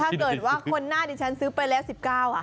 ถ้าเกิดว่าคนหน้าดิฉันซื้อไปแล้ว๑๙